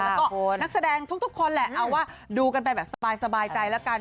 แล้วก็นักแสดงทุกคนแหละเอาว่าดูกันไปแบบสบายใจแล้วกัน